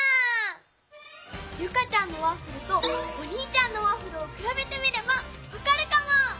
ユカちゃんのワッフルとおにいちゃんのワッフルをくらべてみればわかるかも！